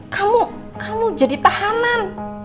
kamu jadi tahanan